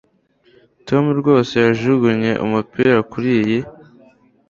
tom rwose yajugunye umupira kuriyi